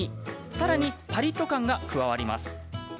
さらにパリっと感が加わります。